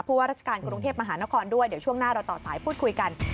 ว่าราชการกรุงเทพมหานครด้วยเดี๋ยวช่วงหน้าเราต่อสายพูดคุยกัน